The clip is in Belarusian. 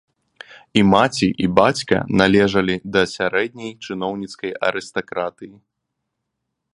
І маці, і бацька належалі да сярэдняй чыноўніцкай арыстакратыі.